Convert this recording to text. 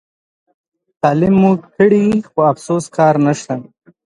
تعلیم مو کړي خو افسوس کار نشته.